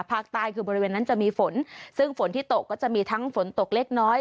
ภาคใต้คือบริเวณนั้นจะมีฝนซึ่งฝนที่ตกก็จะมีทั้งฝนตกเล็กน้อย